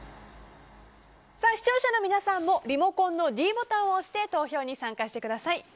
視聴者の皆さんもリモコンのｄボタンを押して投票に参加してください。